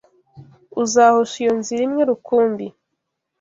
uzahusha iyo nzira imwe rukumbi,